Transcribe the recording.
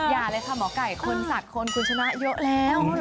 อย่าเลยค่ะหมอไก่คนสัตว์คนคุณชนะเยอะแล้ว